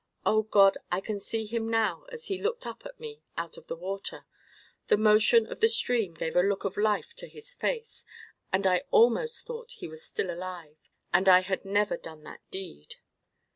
O God! I can see him now as he looked up at me out of the water. The motion of the stream gave a look of life to his face, and I almost thought he was still alive, and I had never done that deed."